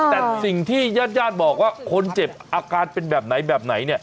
แต่สิ่งที่ญาติบอกว่าคนเจ็บอาการเป็นแบบไหนแบบไหนเนี่ย